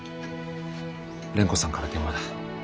蓮子さんから電話だ。